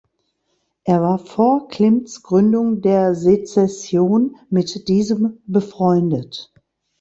Er war vor Klimts Gründung der Sezession mit diesem befreundet.